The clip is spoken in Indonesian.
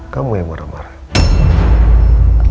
kamu yang marah marah